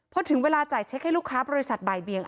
พอถึงเวลาจ่ายเช็คให้ลูกค้าบริษัทบ่ายเบียง